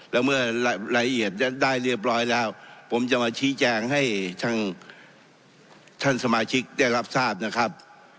แล้วเมื่อรายละเอียดได้เรียบร้อยแล้วผมจะมาชี้แจงให้ทางท่านสมาชิกได้รับทราบนะครับ